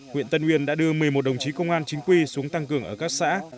huyện tân uyên đã đưa một mươi một đồng chí công an chính quy xuống tăng cường ở các xã